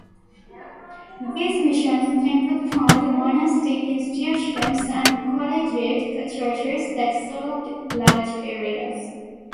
These missions tended to found monastic institutions and collegiate churches that served large areas.